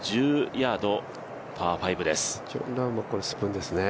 ５１０ヤード、パー５です。